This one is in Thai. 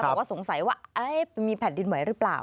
บอกว่าสงสัยว่ามีแผ่นดินไหวหรือเปล่า